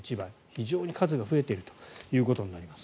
非常に数が増えているということになります。